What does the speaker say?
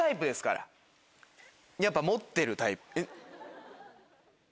やっぱ持ってるタイプ。